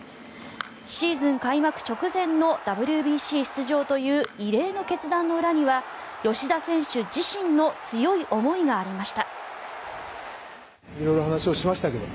シーズン開幕直前のＷＢＣ出場という異例の決断の裏には吉田選手自身の強い思いがありました。